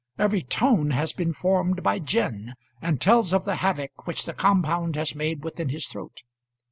Every tone has been formed by gin, and tells of the havoc which the compound has made within his throat.